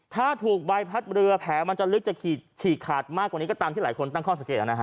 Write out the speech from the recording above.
ถ้าถูกใบพัดเรือแผลมันจะลึกจะฉีกขาดมากกว่านี้ก็ตามที่หลายคนตั้งข้อสังเกต